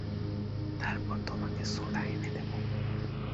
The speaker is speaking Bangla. তারপর তোমাকে সোডা এনে দেবো।